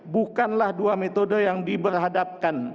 bukanlah dua metode yang diberhadapkan